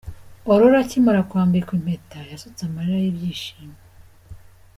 Aurore akimara kwambikwa impeta yasutse amarira y'ibyishimo.